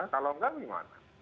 kalau tidak bagaimana